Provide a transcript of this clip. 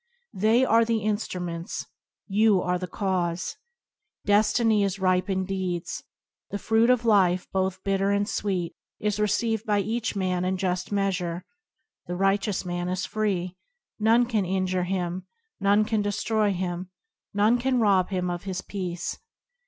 They are the instruments, you are the cause. Destiny is ripened deeds. The fruit of life, both bit ter and sweet, is received by each man in just measure. The righteous man is free. None can injure him; none can destroy him; none can rob him of his peace.